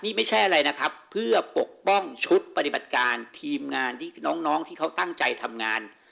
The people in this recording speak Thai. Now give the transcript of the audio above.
นี่ไม่ใช่อะไรนะครับเพื่อปกป้องชุดปฏิบัติการทีมงานที่น้องที่เขาตั้งใจทำงาน